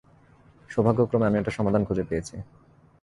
সৌভাগ্যক্রমে, আমি একটা সমাধান খুঁজে পেয়েছি।